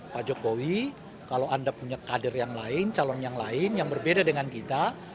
pak jokowi kalau anda punya kader yang lain calon yang lain yang berbeda dengan kita